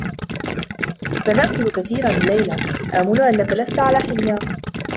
سنأكل كثيرًا الليلة ، آمل أنك لست على حمية.